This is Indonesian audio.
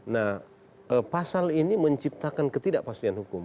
nah pasal ini menciptakan ketidakpastian hukum